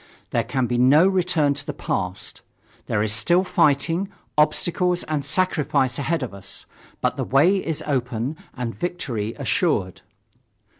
There can be no return to the past. There is still fighting, obstacles and sacrifice ahead of us. But the way is open and victory assured.